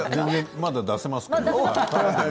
まだ出せますけど。